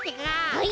はい！